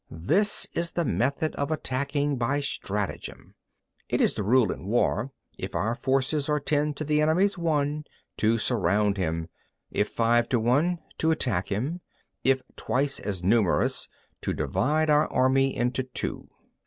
This is the method of attacking by stratagem. 8. It is the rule in war, if our forces are ten to the enemy's one, to surround him; if five to one, to attack him; if twice as numerous, to divide our army into two.